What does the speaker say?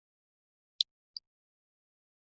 马格达莱纳省。